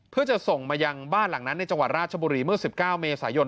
เพื่อจะส่งมายังบ้านหลังนั้นในจังหวัดราชบุรีเมื่อ๑๙เมษายน